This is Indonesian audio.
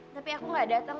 tapi aku gak dateng